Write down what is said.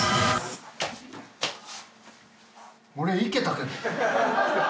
俺いけたけど。